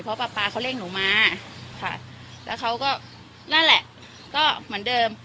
เพราะป๊าป๊าเขาเร่งหนูมาค่ะแล้วเขาก็นั่นแหละก็เหมือนเดิม